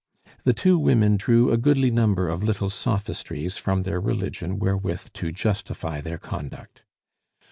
The two women drew a goodly number of little sophistries from their religion wherewith to justify their conduct.